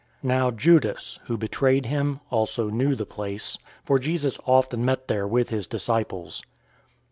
018:002 Now Judas, who betrayed him, also knew the place, for Jesus often met there with his disciples.